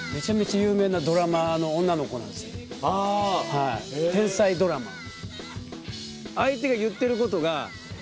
はい天才ドラマー。